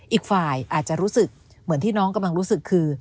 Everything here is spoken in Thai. อีกฝ่ายอาจจะรู้สึกเหมือนที่น้องกำลังรู้สึกคือ